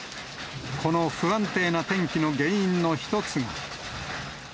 この不安定な天気の原因の一つが。